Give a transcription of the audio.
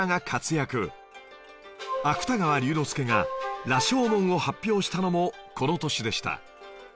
芥川龍之介が『羅生門』を発表したのもこの年でした